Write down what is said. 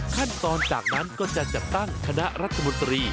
ขั้นตอนจากนั้นก็จะจัดตั้งคณะรัฐมนตรี